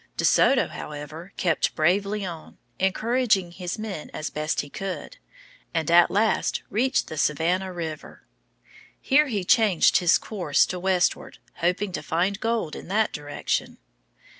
De Soto, however, kept bravely on, encouraging his men as best he could, and at last reached the Savannah River. Here he changed his course to westward, hoping to find gold in that direction.